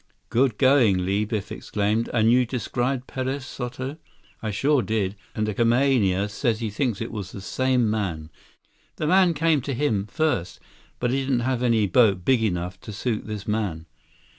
"Good going, Li," Biff exclaimed. "And you described Perez Soto?" "I sure did. And the kamaaina says he thinks it was the same man. The man came to him, first, but he didn't have any boat big enough to suit this man."